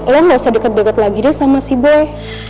lo gak usah dekat dekat lagi deh sama si boy